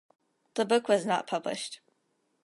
The book was not published.